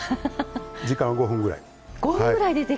時間は５分ぐらい。